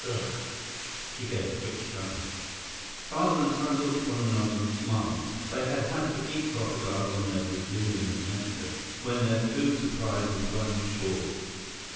Ugh!" She gave a quick shudder. Father and son looked at one another and smiled. They had had to eat crocodile on their Brazilian adventure when their food supplies had run short.